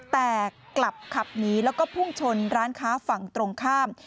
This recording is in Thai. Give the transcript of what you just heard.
แต่กลับขับหนีแล้วก็พุ่งชนร้านค้าฝั่งตรงข้าม